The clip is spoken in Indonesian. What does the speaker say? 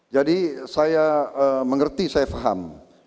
saya mengerti saya paham